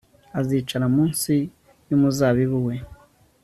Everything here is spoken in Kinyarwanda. azicara munsi y'umuzabibu we